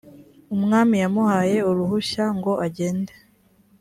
umwami yamuhaye uruhushya ngo ajyende.